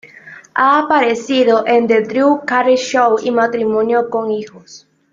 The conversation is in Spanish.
Ha aparecido en "The Drew Carey Show" y "Matrimonio con hijos.